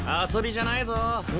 遊びじゃないぞ！